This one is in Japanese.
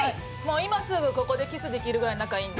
今すぐここでキスできるぐらい仲いいんで。